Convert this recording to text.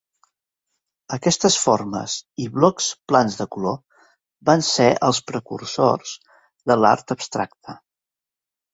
Aquestes formes i blocs plans de color van ser els precursors de l'art abstracte.